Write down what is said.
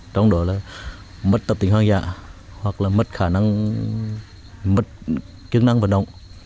trong đó là mất tập tính hoang dạ hoặc là mất khả năng mất chức năng vận động